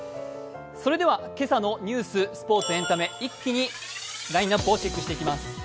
それでは今朝のニュース、スポーツエンタメ、一気にラインナップをチェックしていきます。